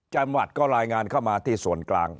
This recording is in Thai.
จังหวัดก็รายงานเข้ามาที่ส่วนกลาง